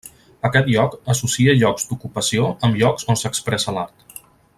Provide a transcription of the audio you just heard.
Aquest lloc associa llocs d'ocupació amb llocs on s'expressa l'art.